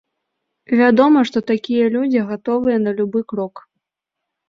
Вядома, што такія людзі гатовыя на любы крок.